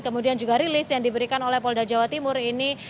kemudian juga rilis yang diberikan oleh polda jawa timur ini